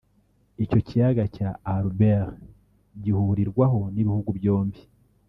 Icyo kiyaga cya Albert gihurirwaho n’ibihugu byombi